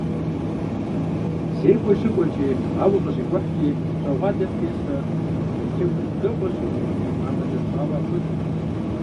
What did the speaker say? Зекӏуэ щыкӏуэкӏи, ауэ къыщикӏухькӏи, пщӏэгъуалэм тесрэ цей хужь дэгъуэ щыгъыу, къамэ кӏэрыщӏауэ апхуэдэт.